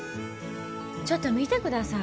ちょっと見てください。